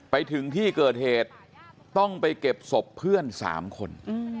ไปถึงที่เกิดเหตุต้องไปเก็บศพเพื่อน๓คน